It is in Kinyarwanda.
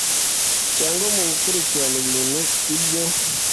Cyangwa mugukurikirana ibintu ibyo